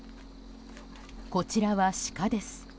こちらはシカです。